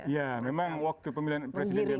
ya memang waktu pemilihan presiden di amerika itu